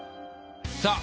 さあ